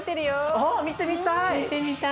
おっ見てみたい。